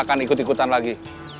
dia gak akan ikut ikutan lagi